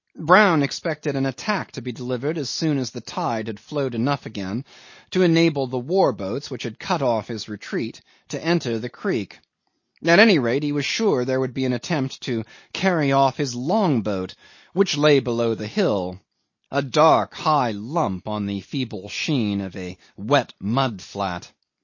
Brown expected an attack to be delivered as soon as the tide had flowed enough again to enable the war boats which had cut off his retreat to enter the creek. At any rate he was sure there would be an attempt to carry off his long boat, which lay below the hill, a dark high lump on the feeble sheen of a wet mud flat.